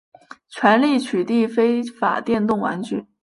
全力取缔非法电动玩具